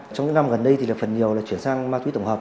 trong những năm gần đây thì là phần nhiều là chuyển sang ma túy tổng hợp